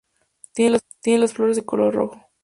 Tiene las flores de color rojo.